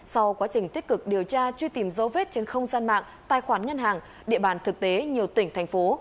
sau quá trình tích cực điều tra truy tìm dấu vết trên không gian mạng tài khoản ngân hàng địa bàn thực tế nhiều tỉnh thành phố